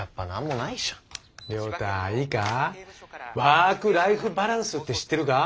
ワークライフバランスって知ってるか？